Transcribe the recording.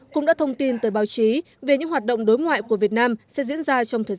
cũng đã thông tin tới báo chí về những hoạt động đối ngoại của việt nam sẽ diễn ra trong thời gian